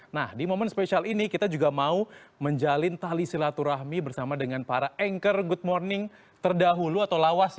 nah di momen spesial ini kita juga mau menjalin tali silaturahmi bersama dengan para anchor good morning terdahulu atau lawas